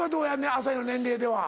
朝日の年齢では。